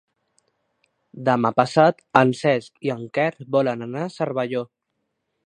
Demà passat en Cesc i en Quer volen anar a Cervelló.